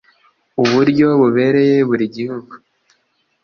uburyo bubereye buri gihugu